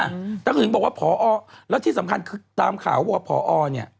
อืมแต่เขาถึงบอกว่าพอแล้วที่สำคัญคือตามข่าวว่าพอเนี่ย